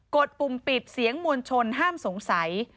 ดปุ่มปิดเสียงมวลชนห้ามสงสัย